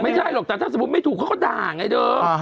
ไม่ใช่หรอกแต่ถ้าสมมุติไม่ถูกเขาก็ด่าไงเดิม